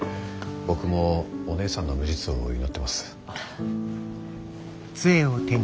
僕もお姉さんの無実を祈ってます。